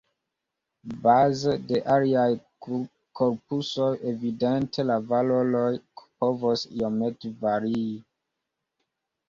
Baze de aliaj korpusoj evidente la valoroj povos iomete varii.